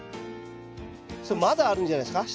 それまだあるんじゃないですか？